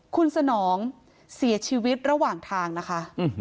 คุณสนองเสียชีวิตระหว่างทางนะคะ